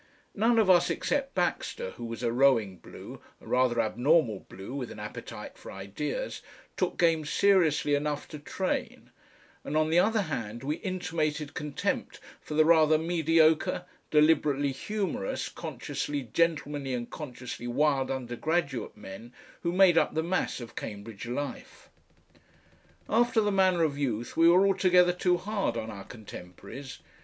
None of us, except Baxter, who was a rowing blue, a rather abnormal blue with an appetite for ideas, took games seriously enough to train, and on the other hand we intimated contempt for the rather mediocre, deliberately humorous, consciously gentlemanly and consciously wild undergraduate men who made up the mass of Cambridge life. After the manner of youth we were altogether too hard on our contemporaries.